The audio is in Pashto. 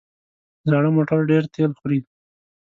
زاړه موټر ډېره تېل خوري.